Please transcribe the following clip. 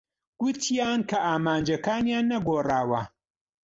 گوتیان کە ئامانجەکانیان نەگۆڕاوە.